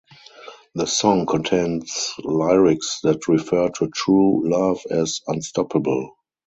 The song contains lyrics that refer to true love as unstoppable.